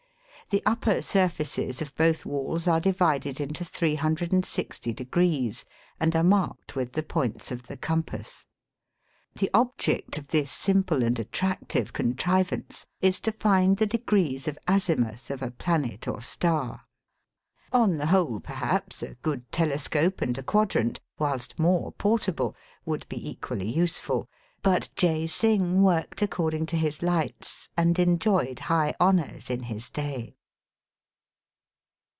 The upper surfaces of both walls are divided into 360 degrees, and are Digitized by VjOOQIC THE HOLY CITY. 215 marked with the points of the compass. The object of this simple and attractive contrivance is to find the degrees of azimuth of a planet or star. On the whole perhaps a good telescope and a quadrant, whilst more portable, would be equally useful ; but Jay Singh worked accord ing to his lights, and enjoyed high honours in his day.